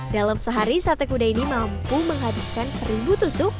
dalam sehari sate kuda ini mampu menghabiskan seribu tusuk